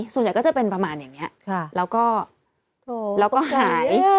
ส่วนใหญ่ก็จะเป็นประมาณอย่างนี้แล้วก็หาย